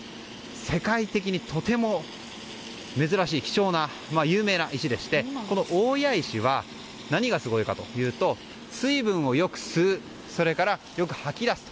世界的にとても珍しい貴重な有名な石でして、この大谷石は何がすごいかというと水分をよく吸うそれから、よくはき出すと。